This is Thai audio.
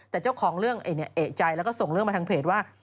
แต่เจ้าของเรื่องเอกใจแล้วก็ส่งเรื่องมาทางเพจว่า